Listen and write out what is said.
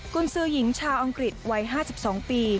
คุณซื้อหญิงชาวอังกฤษวัย๕๒ปี